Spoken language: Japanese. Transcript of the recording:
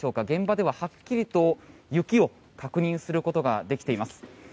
現場では、はっきりと雪を確認することができています。